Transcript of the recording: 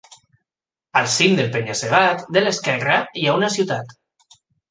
Al cim del penya-segat de l'esquerra hi ha una ciutat.